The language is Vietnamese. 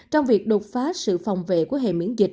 trong việc đột phá sự phòng vệ của hệ miễn dịch